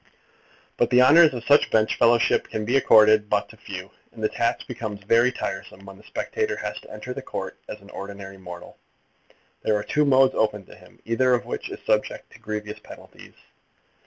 But the honours of such benchfellowship can be accorded but to few, and the task becomes very tiresome when the spectator has to enter the Court as an ordinary mortal. There are two modes open to him, either of which is subject to grievous penalties.